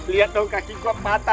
liat dong kaki gue patah